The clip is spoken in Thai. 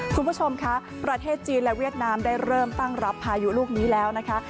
คุณผู้ชมคะประเทศจีนและเวียดนามได้เริ่มตั้งรับพายุลูกนี้แล้วนะคะ